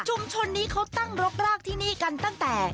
ชุมชนนี้เขาตั้งรกรากที่นี่กันตั้งแต่